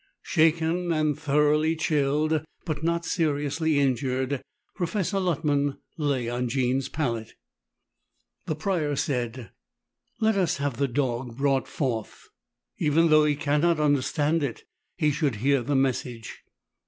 Shaken and thoroughly chilled, but not seriously injured, Professor Luttman lay on Jean's pallet. The Prior said, "Let us have the dog brought forth. Even though he cannot understand it, he should hear the message."